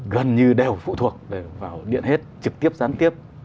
gần như đều phụ thuộc vào điện hết trực tiếp gián tiếp